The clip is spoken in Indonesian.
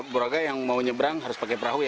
warga yang mau menyebrang harus pakai perahu ya